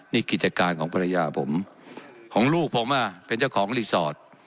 นี่กิจการของภรรยาผมของลูกผมเป็นเจ้าของรีสอร์ท